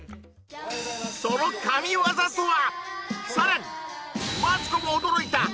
その神業とは？